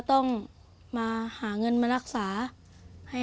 ต้องมาหาใช้กระทั่งอิสุทธิ์